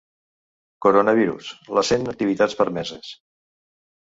Coronavirus: les cent activitats permeses.